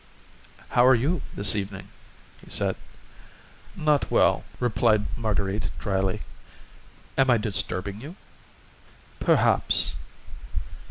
"How are you this evening?" he said. "Not well," replied Marguerite drily. "Am I disturbing you?" "Perhaps."